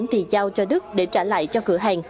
thì giao cho đức để trả lại cho cửa hàng